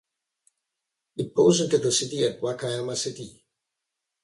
It pours into the sea at Wakayama city.